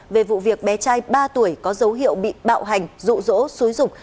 về vụ việc bé trai ba tuổi có dấu hiệu bị bạo hành rụ rỗ xúi rục